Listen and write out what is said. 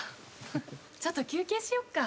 ちょっと休憩しよっか。